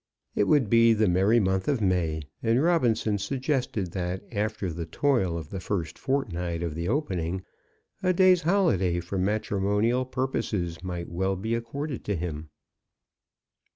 It would be the merry month of May; and Robinson suggested that, after the toil of the first fortnight of the opening, a day's holiday for matrimonial purposes might well be accorded to him.